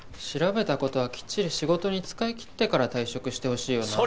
調べたことはきっちり仕事に使い切ってから退職してほしいよな。